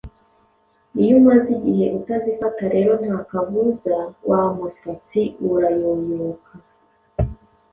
iyo umaze igihe utazifata rero nta kabuza wa musatsi urayoyoka,